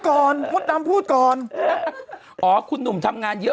เป็นการกระตุ้นการไหลเวียนของเลือด